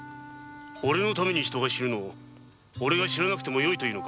オレのために人が死ぬのを知らなくてもよいと言うのか？